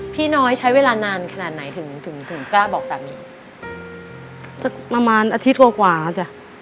พี่น้อยใช้เวลานานขนาดไหนถึงถึงกล้าบอกสามีสักประมาณอาทิตย์กว่ากว่าแล้วจ้ะ